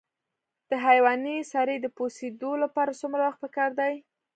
د حیواني سرې د پوسیدو لپاره څومره وخت پکار دی؟